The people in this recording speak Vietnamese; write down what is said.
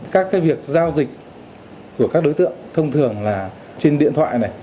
các cái việc giao dịch của các đối tượng thông thường là trên điện thoại này